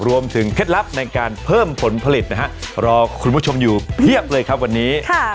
เคล็ดลับในการเพิ่มผลผลิตนะฮะรอคุณผู้ชมอยู่เพียบเลยครับวันนี้